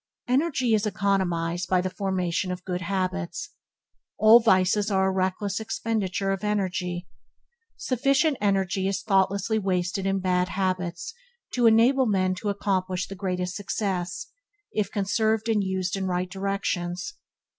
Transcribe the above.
Energy is economized by the formation of good habits. All vices are a reckless expenditure of energy. Sufficient energy is thoughtlessly wasted in bad habits to enable men to accomplish the greatest success, if conserved and used in right directions.